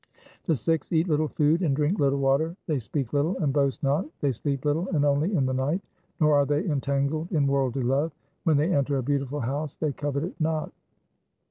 1 The Sikhs eat little food and drink little water. They speak little and boast not. They sleep little and only in the night, nor are they entangled in worldly love. When they enter a beautiful house they covet it not.